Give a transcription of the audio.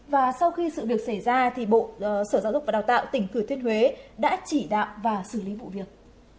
và sau khi sự việc xảy ra bộ sở giáo dục và đào tạo tỉnh thừa thuyết huế đã chỉ đạo và xử lý vụ việc